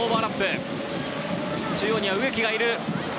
中央には植木がいる。